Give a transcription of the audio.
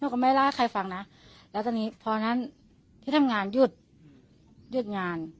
ก็ไม่เล่าให้ใครฟังนะแล้วตอนนี้พอนั้นที่ทำงานหยุดหยุดงาน